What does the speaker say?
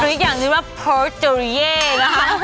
หรืออีกอย่างเรียกว่าเพอร์เจอร์เย่นะคะ